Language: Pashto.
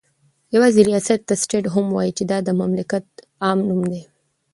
يوازي رياست ته سټيټ هم وايي چې دا دمملكت عام نوم دى